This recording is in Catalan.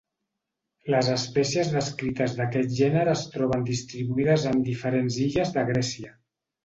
Les espècies descrites d'aquest gènere es troben distribuïdes en diferents illes de Grècia.